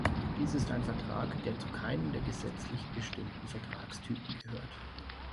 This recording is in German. Dies ist ein Vertrag, der zu keinem der gesetzlich bestimmten Vertragstypen gehört.